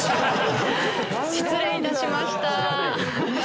失礼致しました。